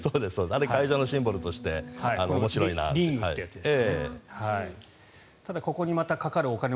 あれ会場のシンボルとしてリングというやつです。